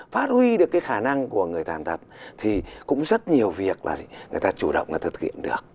phát huy được cái khả năng của người ta thì cũng rất nhiều việc là người ta chủ động là thực hiện được